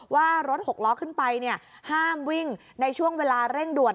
ว่ารถหกล้อขึ้นไปห้ามวิ่งในช่วงเวลาเร่งด่วน